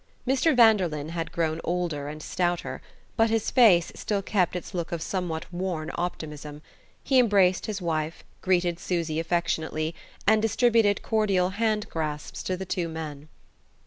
Mr. Vanderlyn had grown older and stouter, but his face still kept its look of somewhat worn optimism. He embraced his wife, greeted Susy affectionately, and distributed cordial hand grasps to the two men.